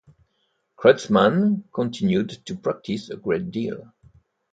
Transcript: Kreutzmann continued to practice a great deal.